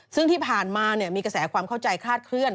ซึ่งที่ผ่านมามีกระแสความเข้าใจคลาดเคลื่อ